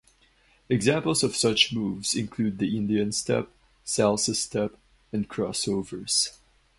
Examples of such moves include the Indian step, Salsa step, and Crossovers.